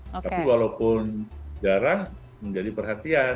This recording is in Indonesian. tapi walaupun jarang menjadi perhatian